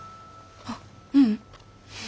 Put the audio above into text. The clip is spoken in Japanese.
あっううん。